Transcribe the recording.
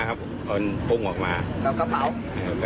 ครับยังไม่รู้แต่